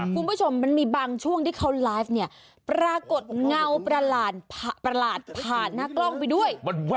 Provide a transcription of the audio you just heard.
คุณผู้ชมมันมีบางช่วงที่เขาไลฟ์เนี่ยปรากฏเงาประหลาดผ่านหน้ากล้องไปด้วย